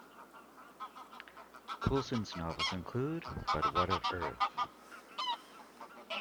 Coulson's novels include But What of Earth?